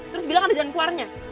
terus bilang ada jalan keluarnya